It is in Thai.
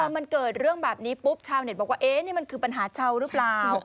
มันเกิดเรื่องแบบนี้ปุ๊บชาวเน็ตบอกว่านี่มันคือปัญหาเช่าหรือเปล่า